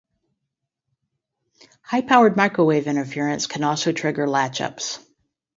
High-power microwave interference can also trigger latch ups.